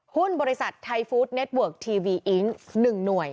หุ้นบริษัทไทยฟู้ดเน็ตเวิร์กทีวีอิ๊ง๑หน่วย